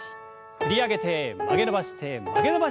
振り上げて曲げ伸ばして曲げ伸ばして振り下ろす。